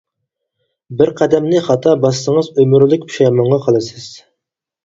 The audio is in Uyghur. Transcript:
بىر قەدەمنى خاتا باسسىڭىز ئۆمۈرلۈك پۇشايمانغا قالىسىز.